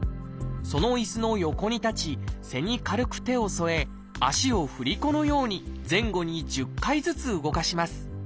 その椅子の横に立ち背に軽く手を沿え足を振り子のように前後に１０回ずつ動かします。